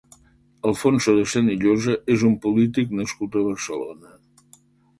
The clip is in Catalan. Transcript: Alfonso de Senillosa és un polític nascut a Barcelona.